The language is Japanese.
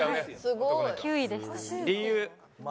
すごい！理由。